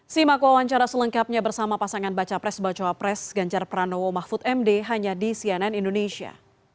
si makwa wancara selengkapnya bersama pasangan baca pres bacoa pres ganjar pranowo mahfud md hanya di cnn indonesia